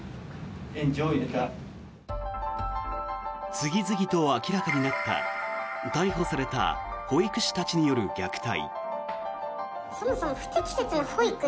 次々と明らかになった逮捕された保育士たちによる虐待。